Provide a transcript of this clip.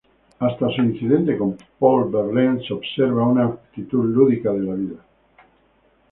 Hasta su incidente con Paul Verlaine se observa una actitud lúdica de la vida.